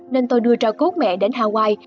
nên tôi đưa trò cốt mẹ đến hawaii